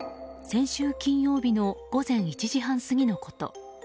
先週金曜日の午前１時半過ぎのこと。